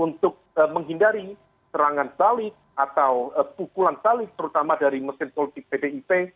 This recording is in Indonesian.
untuk menghindari serangan balik atau pukulan balik terutama dari mesin politik pdip